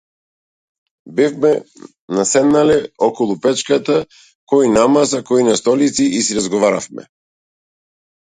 Бевме наседнале околу печката кој на маса кој на столици и си разговаравме.